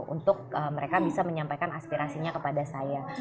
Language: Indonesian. untuk mereka bisa menyampaikan aspirasinya kepada saya